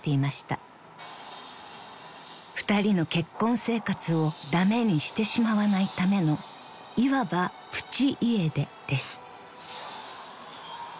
［２人の結婚生活を駄目にしてしまわないためのいわばプチ家出です］